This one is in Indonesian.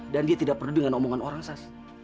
dan dia tidak peduli dengan omongan orang sas